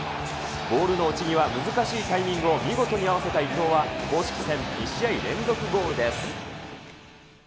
ボールの落ち際、難しいタイミングを見事に合わせた伊東は、２試合連続ゴールです。